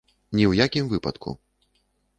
Ні ў якім выпадку.